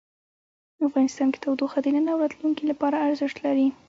افغانستان کې تودوخه د نن او راتلونکي لپاره ارزښت لري.